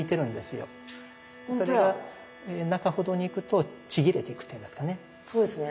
それが中ほどにいくとちぎれていくっていうんですかね。